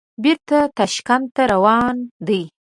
بېرته تاشکند ته روان دي.